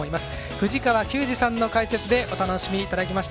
藤川球児さんの解説でお楽しみいただきました。